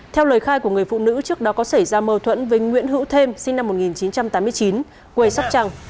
theo lời khai của người phụ nữ trước đó có xảy ra mâu thuẫn với nguyễn hữu thêm sinh năm một nghìn chín trăm tám mươi chín quê sóc trăng